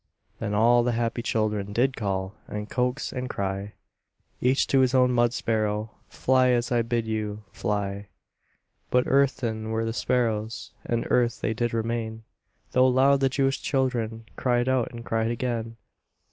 Then all the happy children Did call, and coax, and cry Each to his own mud sparrow: "Fly, as I bid you! Fly!" But earthen were the sparrows, And earth they did remain, Though loud the Jewish children Cried out, and cried again.